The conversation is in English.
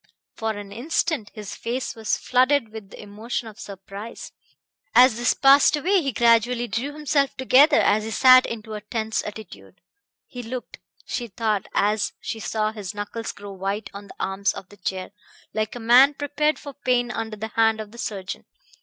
For an instant his face was flooded with the emotion of surprise. As this passed away he gradually drew himself together as he sat into a tense attitude. He looked, she thought as she saw his knuckles grow white on the arms of the chair, like a man prepared for pain under the hand of the surgeon.